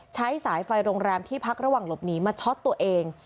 ใช้สายไฟโรงแรมที่พักระหว่างหลบหนีมาช็อตตัวเอง